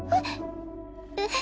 えっ！